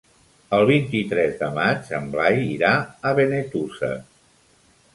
El vint-i-tres de maig en Blai irà a Benetússer.